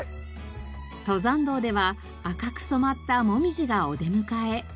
登山道では赤く染まったモミジがお出迎え。